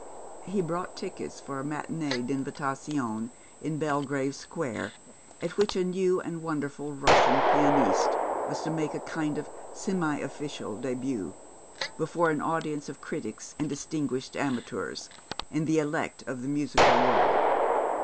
He brought tickets for a matinée d'invitation in Belgrave Square, at which a new and wonderful Russian pianiste was to make a kind of semi official début, before an audience of critics and distinguished amateurs, and the elect of the musical world.